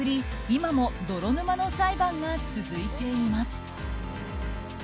今も泥沼の裁判が続いています。